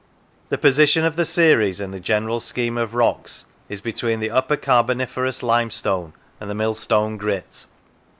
The position of the series in the general scheme of rocks is between the Upper Carboniferous Limestone and the Millstone grit.